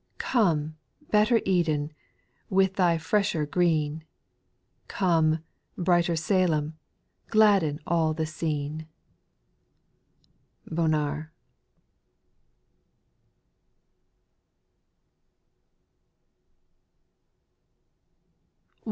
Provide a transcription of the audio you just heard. Come, better Eden, with thy fresher green ; Come, brighter Salem, gladden all the iscene I / BONAR.